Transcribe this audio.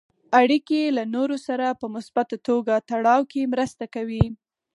اړیکې له نورو سره په مثبته توګه تړاو کې مرسته کوي.